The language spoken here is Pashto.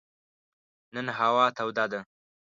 نن هوا توده ده.